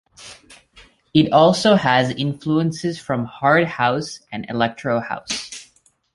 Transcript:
It also has influences from hard house and electro house.